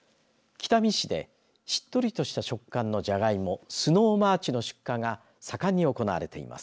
北見市で、しっとりとした食感のじゃがいもスノーマーチの出荷が盛んに行われています。